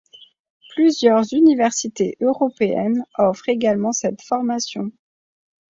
Plusieurs universités européennes offrent également cette formation.